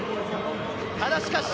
ただしかし